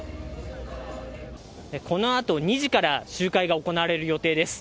このあと２時から、集会が行われる予定です。